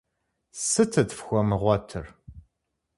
Сытыт фхуэмыгъуэтыр?